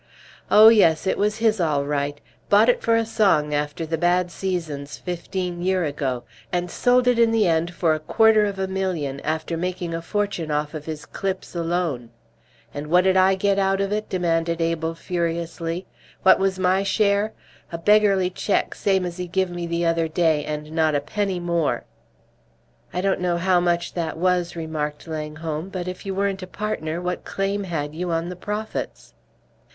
Oh, yes, it was his all right; bought it for a song after the bad seasons fifteen year ago, and sold it in the end for a quarter of a million, after making a fortune off of his clips alone. And what did I get out of it?" demanded Abel, furiously. "What was my share? A beggarly check same as he give me the other day, and not a penny more!" "I don't know how much that was," remarked Langholm; "but if you weren't a partner, what claim had you on the profits?"